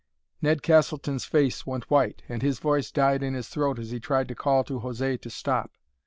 Ned Castleton's face went white, and his voice died in his throat as he tried to call to José to stop.